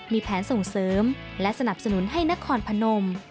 มีแผนส่งเสริมและสนับสนุนให้นครพนม